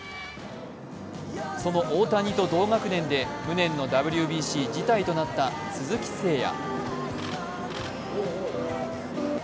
その大谷と同学年で無念のＷＢＣ辞退となった鈴木誠也。